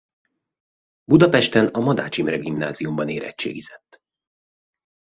Budapesten a Madách Imre Gimnáziumban érettségizett.